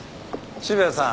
渋谷さん。